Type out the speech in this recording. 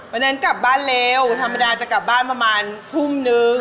วันนั้นกลับบ้านเร็วธรรมดาจะกลับบ้านประมาณทุ่มนึง